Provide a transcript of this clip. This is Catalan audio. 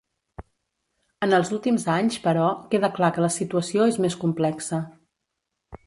En els últims anys, però, queda clar que la situació és més complexa.